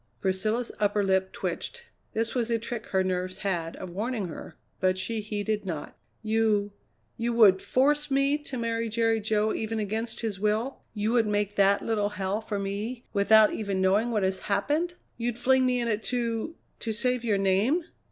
Priscilla's upper lip twitched. This was a trick her nerves had of warning her, but she heeded not. "You you would force me to marry Jerry Jo even against his will? You would make that little hell for me without even knowing what has happened? You'd fling me in it to to save your name?"